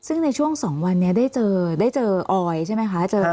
ซึ่งในช่วง๒วันนี้ได้เจอได้เจอออยใช่ไหมคะ